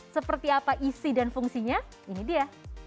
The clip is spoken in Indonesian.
seperti apa isi dan fungsinya ini dia